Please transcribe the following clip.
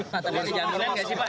pak tadi ini jaminan nggak sih pak